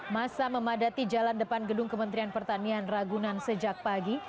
masa memadati jalan depan gedung kementerian pertanian ragunan sejak pagi